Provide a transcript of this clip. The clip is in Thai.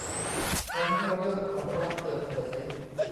ทำให้เรื่องของรัฐเปิดเผย